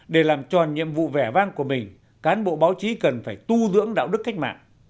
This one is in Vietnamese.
để làm tròn nhiệm vụ vẻ vang của mình cán bộ báo chí cần phải tu dưỡng đạo đức cách mạng